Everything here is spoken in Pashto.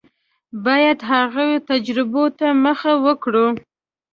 باید هغو تجربو ته مخه کړو.